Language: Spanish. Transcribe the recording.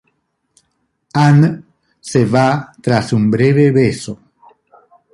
Anne se va tras un breve beso.